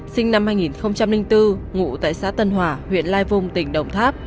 sinh năm hai nghìn bốn ngụ tại xã tân hòa huyện lai vung tỉnh đồng tháp